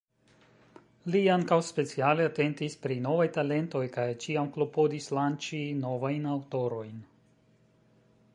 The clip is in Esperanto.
Li ankaŭ speciale atentis pri novaj talentoj kaj ĉiam klopodis lanĉi novajn aŭtorojn.